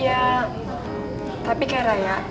ya tapi kayak raya